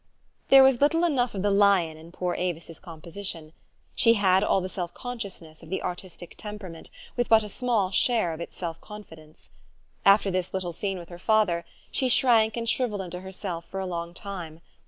There was little enough of the lion in poor A vis's composition. She had all the self consciousness of the artistic temperament with but a small share of its self confidence. After this little scene with her father, she shrank and shrivelled into herself for a long time.